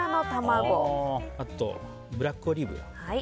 あと、ブラックオリーブ。